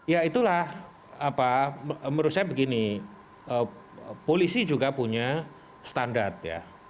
ya itulah menurut saya begini polisi juga punya standar ya